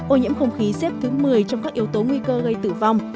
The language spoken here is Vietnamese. ô nhiễm không khí xếp thứ một mươi trong các yếu tố nguy cơ gây tử vong